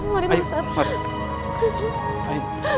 mari pak ustadz